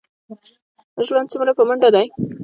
ژوند څومره په منډه دی.